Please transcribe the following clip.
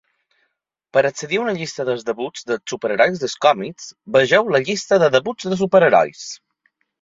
Per accedir a una llista dels debuts dels superherois dels còmics, vegeu la Llista de debuts de superherois.